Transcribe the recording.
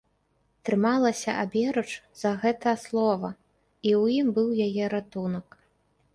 Трымалася аберуч за гэта слова, і ў ім быў яе ратунак.